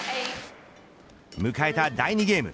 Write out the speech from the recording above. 迎えた第２ゲーム。